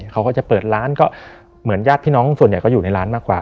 เขาก็จะเปิดร้านก็เหมือนญาติพี่น้องส่วนใหญ่ก็อยู่ในร้านมากกว่า